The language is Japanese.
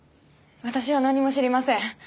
私は何も知りません。